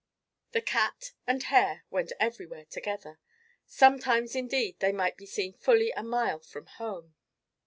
The cat and hare went everywhere together; sometimes indeed they might be seen fully a mile from home.